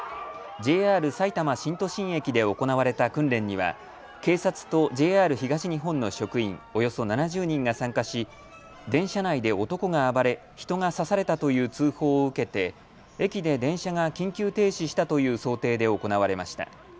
ＪＲさいたま新都心駅で行われた訓練には警察とＪＲ東日本の職員、およそ７０人が参加し電車内で男が暴れ人が刺されたという通報を受けて駅で電車が緊急停止したという想定で行われました。